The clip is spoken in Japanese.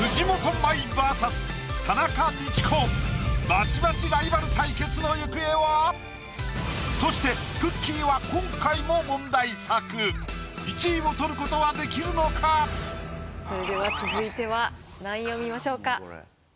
バチバチライバル対決の行方は⁉そして１位をとることはできるのか⁉それでは続いては何位を見ましょうか？